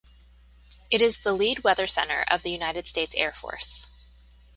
It is the lead weather center of the United States Air Force.